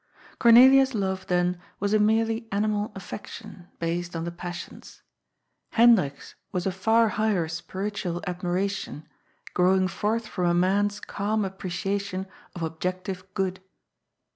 Cornelia's love, then, was a merely animal affection, based on the passions. Hendrik's was a far higher spiritual admiration, growing forth from a man's calm appreciation of objective good.